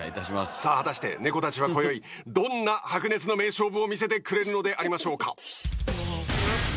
さあ果たして猫たちは今宵どんな白熱の名勝負を見せてくれるのでありましょうか！